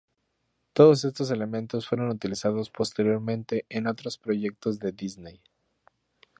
Todos estos elementos fueron utilizados posteriormente en otros proyectos de Disney.